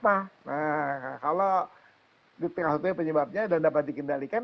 nah kalau di tengah tengah penyebabnya dan dapat dikendalikan